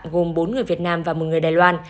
gồm bốn người việt nam và một người đài loan